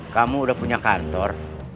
kamu udah punya kantor